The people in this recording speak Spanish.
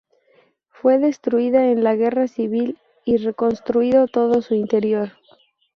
Fue destruida en la guerra civil y reconstruido todo su interior.